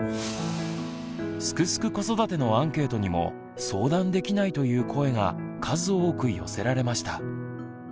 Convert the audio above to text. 「すくすく子育て」のアンケートにも「相談できない」という声が数多く寄せられました。